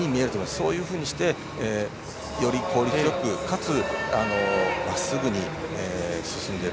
そういうふうにして、より速くかつ、まっすぐに進んでいる。